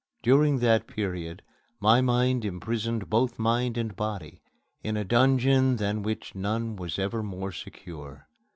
During that period my mind imprisoned both mind and body in a dungeon than which none was ever more secure.